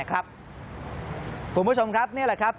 คุณผู้ชมครับนี่แหละครับ